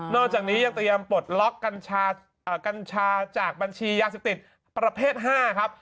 จากนี้ยังเตรียมปลดล็อกกัญชาจากบัญชียาเสพติดประเภท๕ครับ